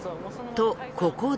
とここで。